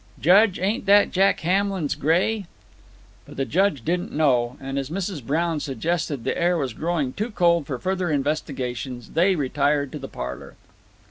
Judge, ain't that Jack Hamlin's gray?" But the Judge didn't know; and as Mrs. Brown suggested the air was growing too cold for further investigations, they retired to the parlor.